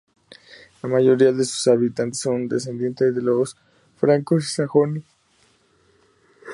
La mayoría de sus habitantes son descendientes de los francos y sajones.